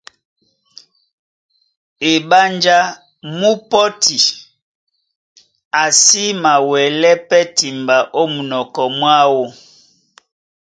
Eɓánjá mú pɔ́ti, a sí mawɛlɛ́ pɛ́ timba ó munɔkɔ mwáō,